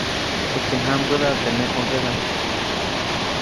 Utye jãmbäda teʼ neʼ ʼõdedaʼm.